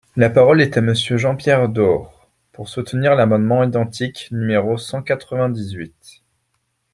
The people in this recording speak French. La parole est à Monsieur Jean-Pierre Door, pour soutenir l’amendement identique numéro cent quatre-vingt-dix-huit.